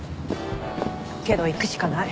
けど行くしかない。